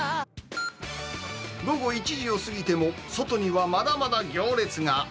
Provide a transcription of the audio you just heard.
午後１時を過ぎても、外にはまだまだ行列が。